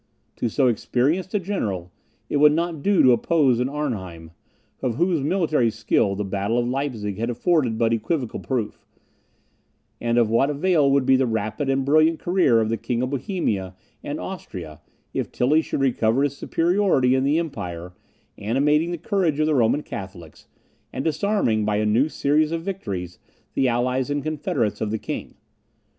To so experienced a general, it would not do to oppose an Arnheim, of whose military skill the battle of Leipzig had afforded but equivocal proof; and of what avail would be the rapid and brilliant career of the king in Bohemia and Austria, if Tilly should recover his superiority in the Empire, animating the courage of the Roman Catholics, and disarming, by a new series of victories, the allies and confederates of the king?